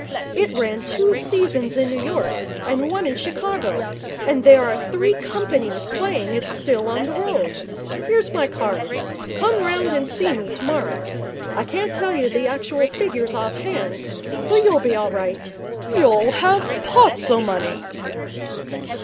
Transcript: It ran two seasons in New York and one in Chicago, and there are three companies playing it still on the road. Here's my card. Come round and see me tomorrow. I can't tell you the actual figures off hand, but you'll be all right. You'll have pots o' money.'